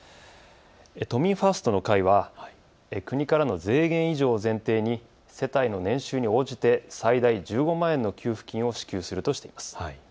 都民ファーストの会は国からの税源移譲を前提に世帯の年収に応じて最大１５万円の給付金を支給するとしています。